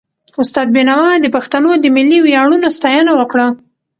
استاد بينوا د پښتنو د ملي ویاړونو ستاینه وکړه.